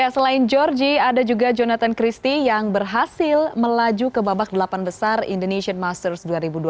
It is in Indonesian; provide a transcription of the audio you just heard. selain georgie ada juga jonathan christie yang berhasil melaju ke babak delapan besar indonesian masters dua ribu dua puluh tiga